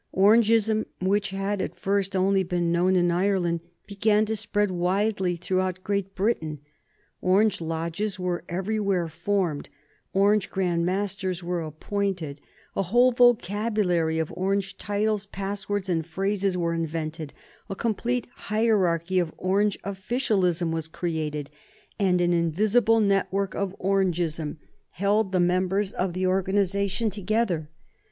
Orangeism, which had at first only been known in Ireland, began to spread widely throughout Great Britain. Orange Lodges were everywhere formed; Orange Grand Masters were appointed; a whole vocabulary of Orange titles, passwords, and phrases was invented; a complete hierarchy of Orange officialism was created, and an invisible network of Orangeism held the members of the organization together.